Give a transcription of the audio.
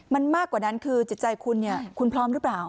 มันมากกว่านั้นคือจิตใจคุณเนี่ยคุณคุณพร้อมหรือเปล่า